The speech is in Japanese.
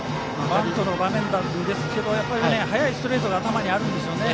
バントの場面ですが速いストレートが頭にあるんですよね。